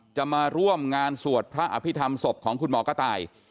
จะมาร่วมงานสวดพระอภิษฐรรมศพของคุณหมอกระต่าย